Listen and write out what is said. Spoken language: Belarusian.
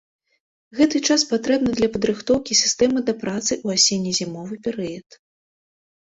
Гэты час патрэбны для падрыхтоўкі сістэмы да працы ў асенне-зімовы перыяд.